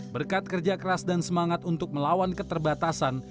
berkat kerja keras dan semangat untuk melawan keterbatasan